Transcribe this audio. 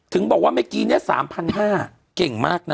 ถึงบอกว่าเมื่อกี้เนี่ย๓๕๐๐เก่งมากนะ